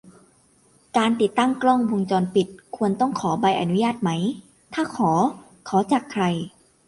การติดตั้งกล้องวงจรปิด ควรต้องขอใบอนุญาตไหม ถ้าขอ ขอจากใคร